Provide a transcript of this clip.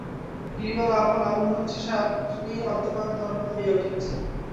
গিরিবালাও আপন লাবণ্যোচ্ছাসে আপনি আদ্যপান্ত তরঙ্গিত হইয়া উঠিয়াছে।